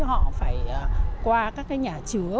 họ phải qua các cái nhà chứa